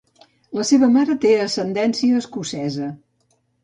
La seva mare té ascendència escocesa.